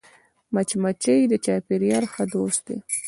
مچمچۍ د چاپېریال ښه دوست ده